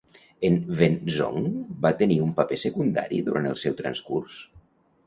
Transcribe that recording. En Wen Zhong va tenir un paper secundari durant el seu transcurs?